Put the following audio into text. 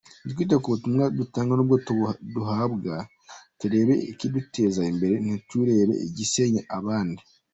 Nitwite ku butumwa dutanga n’ubwo duhabwa, turebe ikiduteza imbere ntiturebe igisenya abandi.